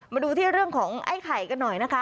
มาดูที่เรื่องของไอ้ไข่กันหน่อยนะคะ